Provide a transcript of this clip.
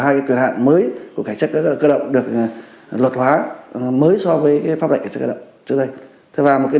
hình ảnh mới của cảnh sát cơ động được luật hóa mới so với pháp lệnh cơ động trước đây và một cái